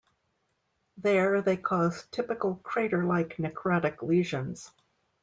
There, they cause typical crater-like necrotic lesions.